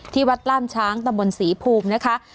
วัดล่ามช้างตำบลศรีภูมินะคะ